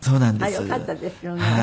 あっよかったですよね。